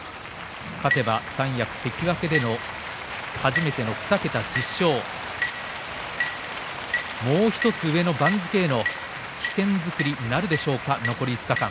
勝てば三役関脇での初めての２桁、１０勝もう１つ上の番付への起点作りになるでしょうか残り５日間。